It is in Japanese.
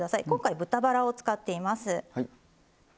今回、豚バラを使っています。